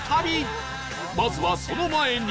まずはその前に